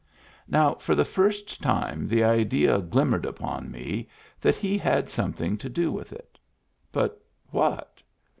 Now for the first time the idea glimmered upon me that he had something to do with it. But what?